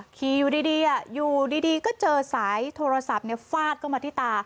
ขี่อยู่ดีอยู่ดีก็เจอสายโทรศัพท์ฟาดเข้ามาที่ตา